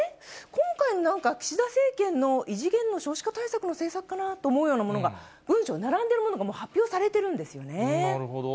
今回のなんか、岸田政権の異次元の少子化対策の政策かなと思うようなものが、文書、並んでるものも、発表されてるんですよね。